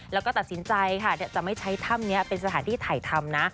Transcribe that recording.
แล้วก็ตัดสินใจค่ะจะไม่ใช้ถ้ำนี้เป็นสถานที่ถ่ายทำนะ